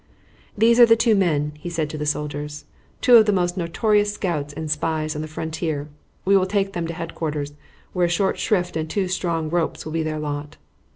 "These are the two men," he said to the soldiers "two of the most notorious scouts and spies on the frontier. We will take them to headquarters, where a short shrift and two strong ropes will be their lot."